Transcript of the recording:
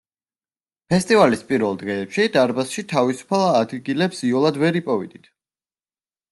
ფესტივალის პირველ დღეებში, დარბაზში თავისუფალ ადგილებს იოლად ვერ იპოვიდით.